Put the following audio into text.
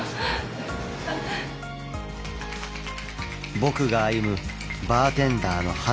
僕が歩むバーテンダーの果て